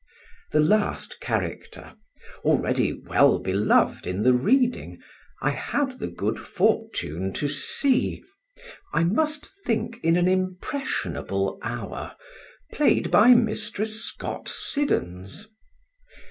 The last character, already well beloved in the reading, I had the good fortune to see, I must think, in an impressionable hour, played by Mrs. Scott Siddons.